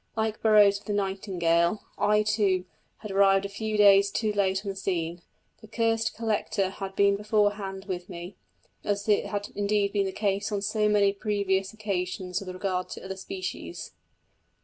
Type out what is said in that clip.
Like Burroughs with the nightingale, I, too, had arrived a few days too late on the scene; the "cursed collector" had been beforehand with me, as had indeed been the case on so many previous occasions with regard to other species.